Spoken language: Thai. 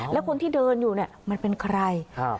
และคนที่เดินอยู่มันเป็นใคร